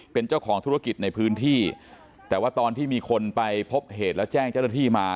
เป็นเจ้าของธุรกิจในพื้นที่แต่ว่าตอนที่มีคนไปพบเหตุแล้วแจ้งเจ้าหน้าที่มา